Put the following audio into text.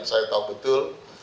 saya tahu betul